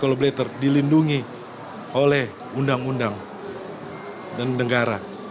kalau beli terlindungi oleh undang undang dan negara